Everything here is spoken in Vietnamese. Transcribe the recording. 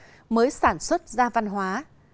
văn hóa mới sản xuất ra văn hóa